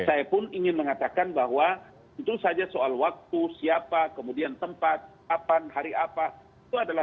saya pun ingin mengatakan bahwa tentu saja soal waktu siapa kemudian tempat kapan hari apa itu adalah